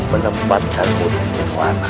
menempatkan kota yang warna